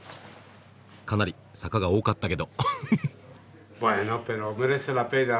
かなり坂が多かったけどフフフッ。